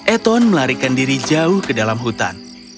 eton melarikan diri jauh ke dalam hutan